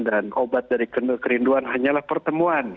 dan obat dari kerinduan hanyalah pertemuan